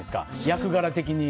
役柄的に。